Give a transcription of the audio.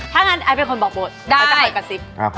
ถ้างั้นไอเป็นคนบอกโบสถ์ไอต้องไปกับซิป